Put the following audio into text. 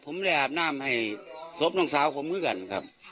ผมเลยอาบน้ำให้ศพน้องสาวผมด้วยกันครับ